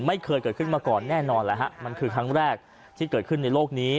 ไม่เคยเกิดขึ้นมาก่อนแน่นอนแล้วฮะมันคือครั้งแรกที่เกิดขึ้นในโลกนี้